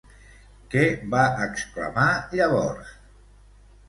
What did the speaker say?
Què va exclamar llavors?